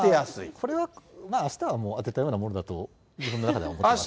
これは、あしたはもう当てたようなもんだと自分の中では思ってます。